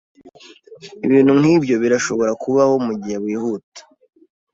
Ibintu nkibyo birashobora kubaho mugihe wihuta.